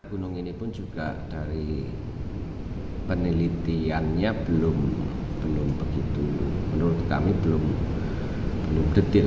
gunung ini pun juga dari penelitiannya belum begitu menurut kami belum detail